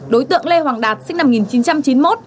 đối tượng lê hoàng đạt sinh năm một nghìn chín trăm chín mươi một